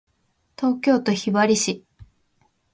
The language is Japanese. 東京都雲雀市